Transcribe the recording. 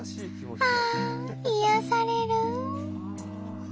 ああ癒やされる。